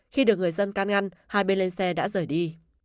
khi được người dân can ngăn hai bên lên xe đã rời đi